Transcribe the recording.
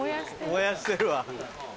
燃やしてるわ。